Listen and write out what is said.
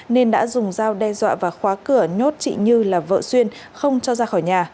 nên đã dùng dao đe dọa và khóa cửa nhốt chị như là vợ xuyên không cho ra khỏi nhà